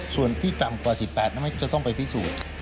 ส่วนที่ต่ำกว่า๑๘นั้นจะต้องไปพิสูจน์